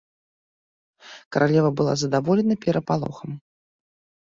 Каралева была задаволена перапалохам.